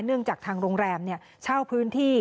เนื่องจากทางโรงแรมเช่าพื้นที่